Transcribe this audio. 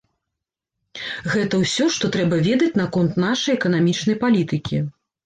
Гэта ўсё, што трэба ведаць наконт нашай эканамічнай палітыкі.